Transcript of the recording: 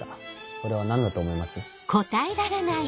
それは何だと思います？